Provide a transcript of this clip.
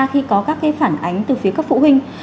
khi có các phản ánh từ phía các phụ huynh